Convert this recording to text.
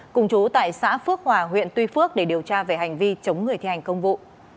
cùng chú tại xã phước hòa huyện tuy phước để điều tra về hành vi chống người thi hành công vụ